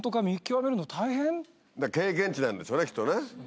経験値なんでしょうねきっとね。